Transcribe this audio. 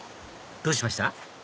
どうしました？